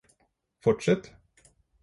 fortsett